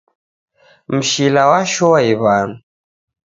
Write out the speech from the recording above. Mshila washoa iw'anu.